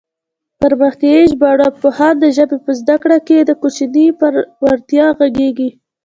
پرمختیایي ژبارواپوهنه د ژبې په زده کړه کې د کوچني پر وړتیا غږېږي